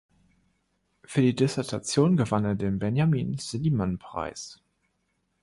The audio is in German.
Für die Dissertation gewann er den Benjamin Silliman Prize.